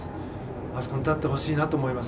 あそこに立ってほしいなと思います。